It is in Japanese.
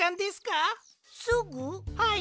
はい。